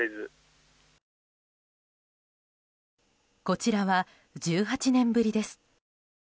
こちらは１８年ぶりです。